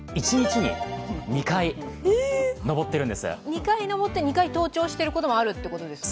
２回登って、２回登頂していることもあるということですか。